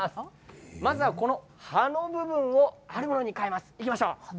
まずは葉の部分をあるものに変えます。